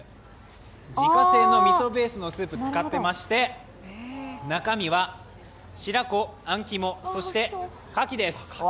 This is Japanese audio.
自家製のみそベースのスープを使ってまして中身は白子、あん肝、そしてかきです。